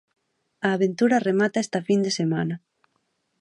A aventura remata esta fin de semana.